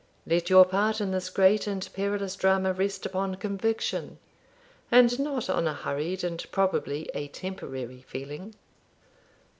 Let your part in this great and perilous drama rest upon conviction, and not on a hurried and probably a temporary feeling.'